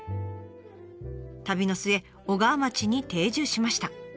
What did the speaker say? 旅の末小川町に定住しました。